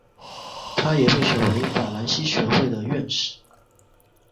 他也被选为法兰西学会的院士。